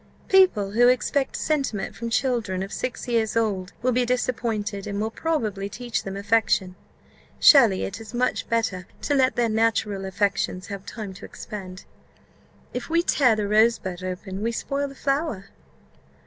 "People who expect sentiment from children of six years old will be disappointed, and will probably teach them affectation. Surely it is much better to let their natural affections have time to expand. If we tear the rosebud open we spoil the flower."